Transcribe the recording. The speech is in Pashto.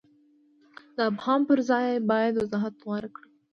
د ابهام پر ځای باید وضاحت غوره کړو.